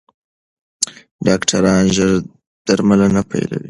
ډاکټران ژر درملنه پیلوي.